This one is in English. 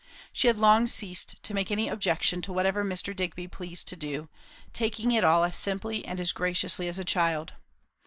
She had long ceased to make any objection to whatever Mr. Digby pleased to do; taking it all as simply and as graciously as a child.